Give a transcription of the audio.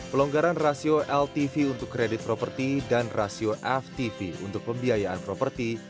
pelonggaran rasio ltv untuk kredit properti dan rasio ftv untuk pembiayaan properti